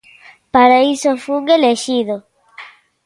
Para iso fun elixido.